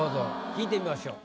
聞いてみましょう。